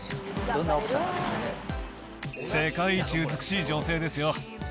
世界一美しい女性ですよ。